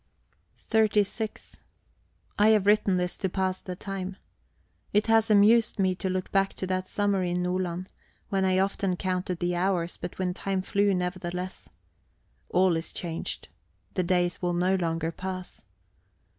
XXXVI I have written this to pass the time. It has amused me to look back to that summer in Nordland, when I often counted the hours, but when time flew nevertheless. All is changed. The days will no longer pass.